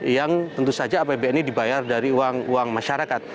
yang tentu saja apbn ini dibayar dari uang uang masyarakat